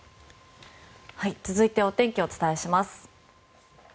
続いてお天気をお伝えします。